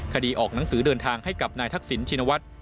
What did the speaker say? คดีออกหนังสือเดินทางให้กับนายทักษิณชินวัฒน์